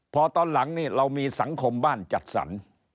พอตอนหลังนี่เรามีสังคมบ้านจัดสรร